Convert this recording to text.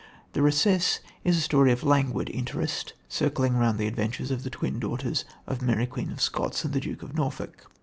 The Recess is a story of languid interest, circling round the adventures of the twin daughters of Mary Queen of Scots and the Duke of Norfolk.